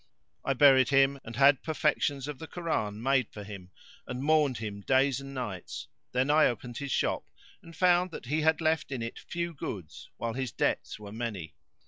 I buried him and had perlections of the Koran made for him, and mourned for him days and nights: then I opened his shop and found that he had left in it few goods, while his debts were many.